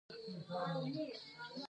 اجنډا د جلسې موضوعات دي